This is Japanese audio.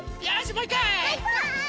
もういっかい！